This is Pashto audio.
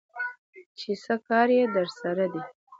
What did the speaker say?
چې څه کار يې درسره دى?